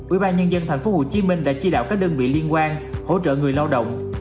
ubnd tp hcm đã chi đạo các đơn vị liên quan hỗ trợ người lao động